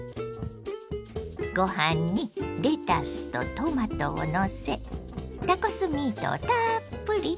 ご飯にレタスとトマトをのせタコスミートをたっぷりと。